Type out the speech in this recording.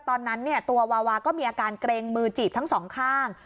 ตอนนั้นตัววาวาก็มีอาการเกรงมือจีบทั้งสองข้าง